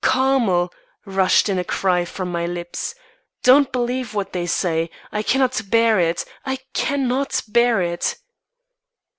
"Carmel!" rushed in a cry from my lips. "Don't believe what they say. I cannot bear it I cannot bear it!"